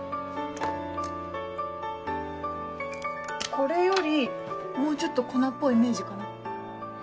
これよりもうちょっと粉っぽいイメージかな？